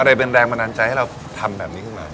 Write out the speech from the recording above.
เลยเป็นแรงบันดาลใจให้เราทำแบบนี้ขึ้นมา